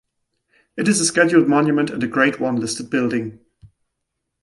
It is a scheduled monument and a Grade One listed building.